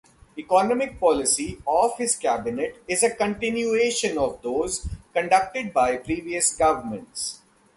Economic policy of his cabinet is a continuation of those conducted by previous governments.